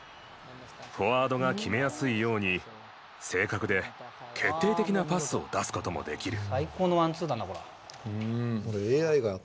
フォワードが決めやすいように正確で決定的なパスを出すこともできる。